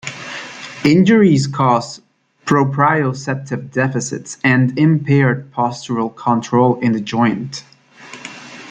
Injuries cause proprioceptive deficits and impaired postural control in the joint.